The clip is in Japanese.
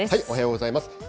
おはようございます。